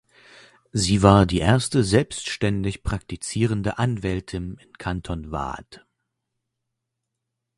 Sie war die erste selbstständig praktizierende Anwältin im Kanton Waadt.